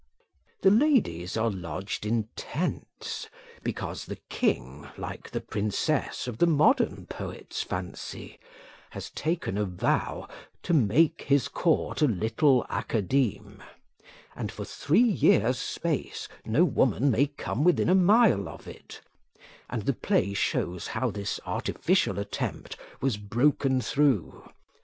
The ladies are lodged in tents, because the king, like the princess of the modern poet's fancy, has taken a vow to make his court a little Academe, and for three years' space no woman may come within a mile of it; and the play shows how this artificial attempt was broken through.